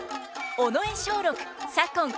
尾上松緑左近